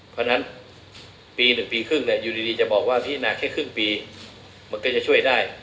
เพราะฉะนั้นปี๑ปีครึ่งอยู่ดีจะบอกว่าพิจารณาแค่ครึ่งปีมันก็จะช่วยได้